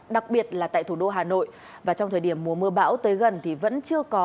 đặc biệt là tại thủ đô hà nội và trong thời điểm mùa mưa bão tới gần thì vẫn chưa có